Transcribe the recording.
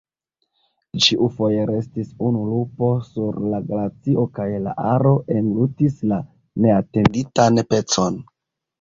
Ĉiufoje restis unu lupo sur la glacio kaj la aro englutis la neatenditan pecon.